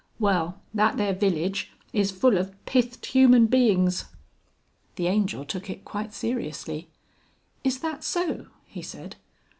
Well that there village is full of pithed human beings." The Angel took it quite seriously. "Is that so?" he said.